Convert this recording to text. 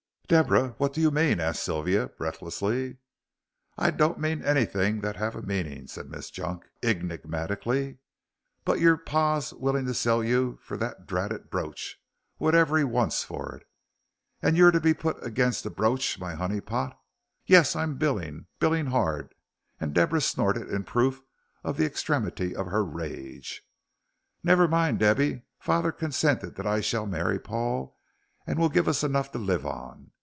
"Deborah, what do you mean?" asked Sylvia, breathlessly. "I don't mean anything that have a meaning," said Miss Junk, enigmatically, "but your par's willing to sell you for that dratted brooch, whatever he wants it for. And you to be put against a brooch my honey pot. I'm biling yes, biling hard," and Deborah snorted in proof of the extremity of her rage. "Never mind, Debby. Father consents that I shall marry Paul, and will give us enough to live on.